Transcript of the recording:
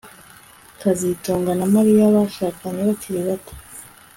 kazitunga na Mariya bashakanye bakiri bato